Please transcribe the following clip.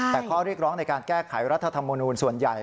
แต่ข้อเรียกร้องในการแก้ไขรัฐธรรมนูญส่วนใหญ่